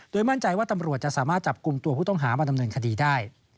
มั่นใจว่าตำรวจจะสามารถจับกลุ่มตัวผู้ต้องหามาดำเนินคดีได้